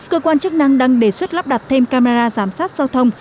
cơ quan chức năng đang đề xuất lắp đặt thêm camera giám sát giao thông